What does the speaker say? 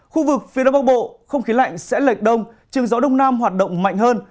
khu vực phía đông bắc bộ không khí lạnh sẽ lệch đông trường gió đông nam hoạt động mạnh hơn